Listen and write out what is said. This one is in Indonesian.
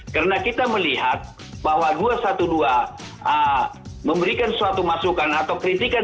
karena kita melihat bahwa dua ratus dua belas memberikan suatu masukan atau kritikan